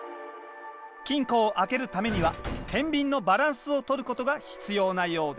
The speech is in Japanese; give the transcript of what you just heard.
金庫を開けるためにはてんびんのバランスを取ることが必要なようです